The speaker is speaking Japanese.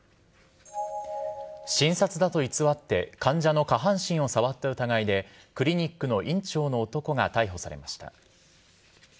診察だと偽って、患者の下半身を触った疑いで、クリニックの院長の男が逮捕されました。